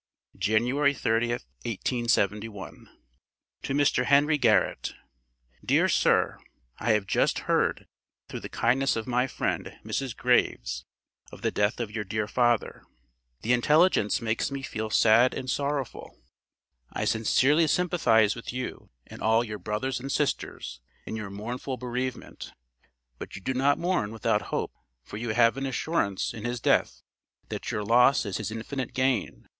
January 30, 1871. To MR. HENRY GARRETT: Dear Sir: I have just heard, through the kindness of my friend, Mrs. Graves, of the death of your dear father; the intelligence makes me feel sad and sorrowful; I sincerely sympathize with you and all your brothers and sisters, in your mournful bereavement; but you do not mourn without hope, for you have an assurance in his death that your loss is his infinite gain.